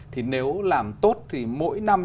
thì nếu làm tốt thì mỗi năm